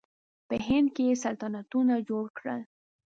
په هند کې یې سلطنتونه جوړ کړل.